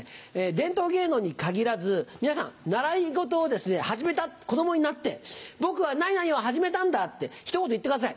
伝統芸能に限らず皆さん習い事を始めた子供になって「僕は何々を始めたんだ！」ってひと言言ってください。